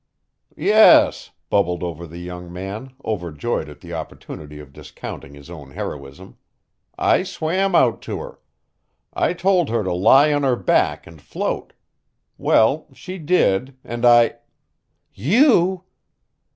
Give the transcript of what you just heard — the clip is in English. "Yes," bubbled over the young man, overjoyed at the opportunity of discounting his own heroism, "I swam out to her. I told her to lie on her back and float. Well, she did, and I" "You!"